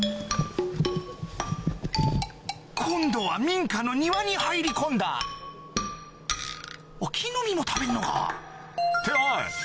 今度は民家の庭に入り込んだあっ木の実も食べんのかっておい！